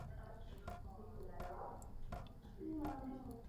Narodil se ve městě Barry na jihu Walesu jako nejmladší ze tří sourozenců.